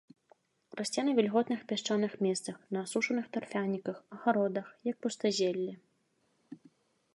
Расце на вільготных пясчаных месцах, на асушаных тарфяніках, агародах, як пустазелле.